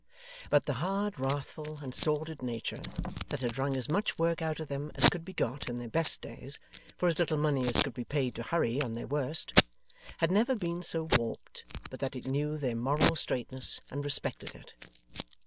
But the hard wrathful and sordid nature that had wrung as much work out of them as could be got in their best days, for as little money as could be paid to hurry on their worst, had never been so warped but that it knew their moral straightness and respected it.